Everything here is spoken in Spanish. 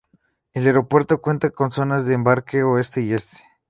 El aeropuerto cuenta con zonas de embarque Oeste y Este.